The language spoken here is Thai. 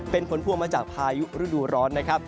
เป็นผลพวงมาจากพายุฤดูร้อนนะครับ